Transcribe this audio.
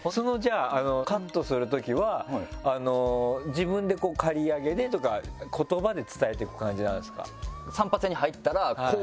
自分で「刈り上げで」とか言葉で伝えていく感じなんですか？